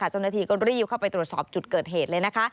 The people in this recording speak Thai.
เจ้าหน้าที่ก็รีบเข้าไปตรวจสอบจุดเกิดเหตุเลยนะคะ